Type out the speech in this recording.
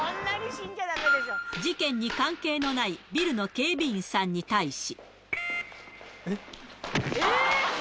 事件に関係のないビルの警備員さんに対し。